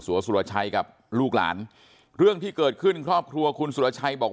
สุรชัยกับลูกหลานเรื่องที่เกิดขึ้นครอบครัวคุณสุรชัยบอกว่า